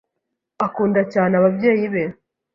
Akunda cyane ababyeyi be.